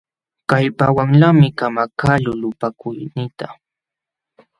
Kallpawanlaqmi kamakaqluu lulapakuyniita.